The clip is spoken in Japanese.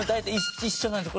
一緒なんです。